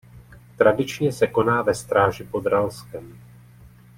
Tradičně se koná ve Stráži pod Ralskem.